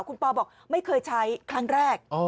คุณปอบอกไม่เคยใช้ครั้งแรก